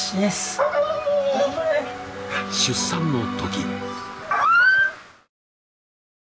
［出産の時］